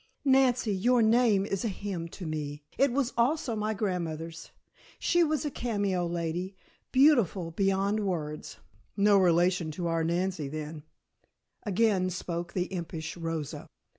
Nancy, your name is a hymn to me, it was also my grandmother's. She was a cameo lady, beautiful beyond words." "No relation to our Nancy, then," again spoke the impish Rosa.